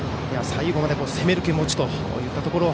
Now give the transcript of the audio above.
最後まで攻める気持ちといったところ。